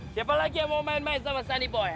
siapa lagi yang mau main main sama sani poh